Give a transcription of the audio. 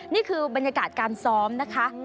นี่คือบรรยากาศการซ้อมนะคะ